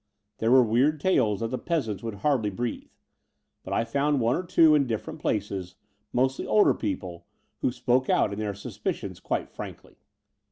There were weird tales that the peasants wotdd hardly breathe : but I found one or two in different places, mostly older people, who spoke out their suspicions quite frankly.